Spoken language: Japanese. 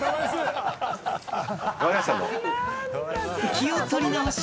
気を取り直し。